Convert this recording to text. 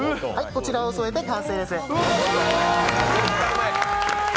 こちらを添えて完成です。